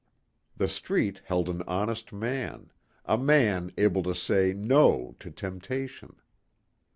The street held an honest man, a man able to say "no" to temptation.